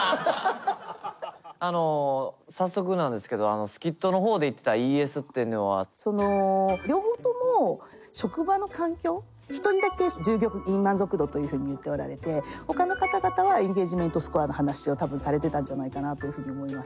あの早速なんですけどスキットの方で言ってた両方とも一人だけ従業員満足度というふうに言っておられてほかの方々はエンゲージメントスコアの話を多分されてたんじゃないかなというふうに思います。